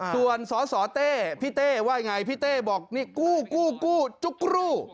ส่วนสสเต้พี่เต้ว่ายังไงพี่เต้บอกนี่กู้กู้จุ๊กรู